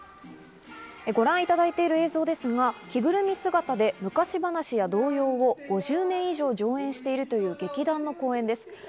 ご覧いただいている映像ですが、着ぐるみ姿で昔話や童謡を５０年以上上演しているという劇団の公演です。